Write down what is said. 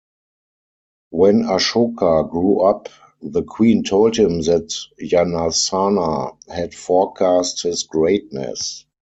When Ashoka grew up, the Queen told him that Janasana had forecast his greatness.